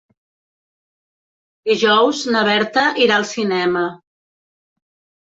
Dijous na Berta irà al cinema.